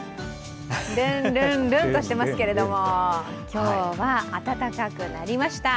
るんるんるんとしていますけども今日は暖かくなりました。